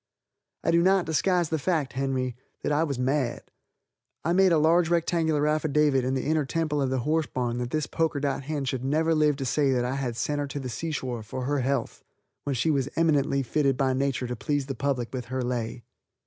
I do not disguise the fact, Henry, that I was mad. I made a large rectangular affidavit in the inner temple of the horse barn that this poker dot hen should never live to say that I had sent her to the seashore for her health when she was eminently fitted by nature to please the public with her lay.